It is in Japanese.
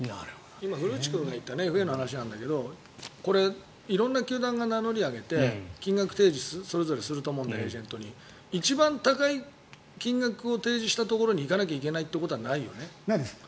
古内君が言ったＦＡの話なんだけどこれ、色んな球団が名乗りを上げて金額提示をそれぞれエージェントにすると思うんだけど一番高い金額を提示したところに行かなきゃいけないということはないです。